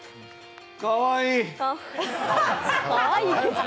かわいい！